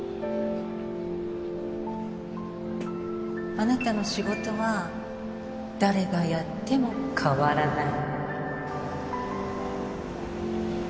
あなたの仕事は誰がやっても変わらない